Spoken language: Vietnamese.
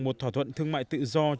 một thỏa thuận thương mại tự do